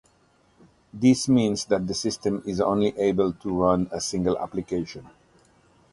This means that the system is only able to run a single application.